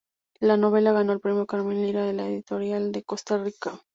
La novela ganó el Premio Carmen Lyra de la Editorial de Costa Rica.